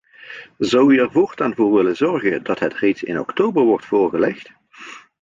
Zou u er voortaan voor willen zorgen dat het reeds in oktober wordt voorgelegd?